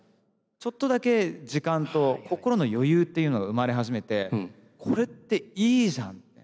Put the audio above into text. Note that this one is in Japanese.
ちょっとだけ時間と心の余裕っていうのが生まれ始めて「これっていいじゃん」って。